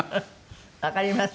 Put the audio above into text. わかります。